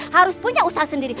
harus punya usaha sendiri